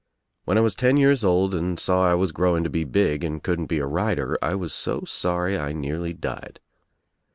When I was ten years oid and saw I was growing to be big and couldn't be a rider I was so sorry I nearly died.